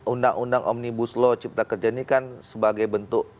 undang undang omnibus law cipta kerja ini kan sebagai bentuk